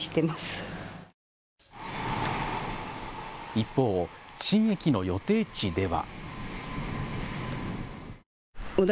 一方、新駅の予定地では。